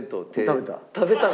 食べた。